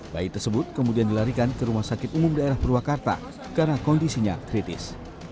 bayi tersebut kemudian dilarikan ke rumah sakit umum daerah purwakarta karena kondisinya kritis